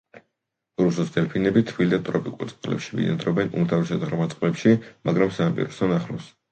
რუსოს დელფინები თბილ და ტროპიკულ წყლებში ბინადრობენ, უმთავრესად ღრმა წყლებში, მაგრამ სანაპიროსთან ახლოს.